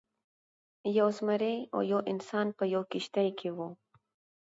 یو زمری او یو انسان په یوه کښتۍ کې وو.